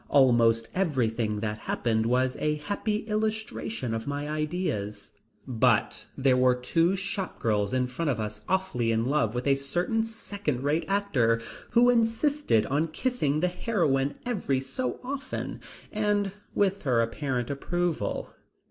Almost everything that happened was a happy illustration of my ideas. But there were two shop girls in front of us awfully in love with a certain second rate actor who insisted on kissing the heroine every so often, and with her apparent approval.